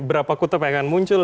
berapa kutab yang akan muncul